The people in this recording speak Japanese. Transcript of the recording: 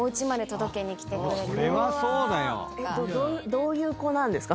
どういう子なんですか？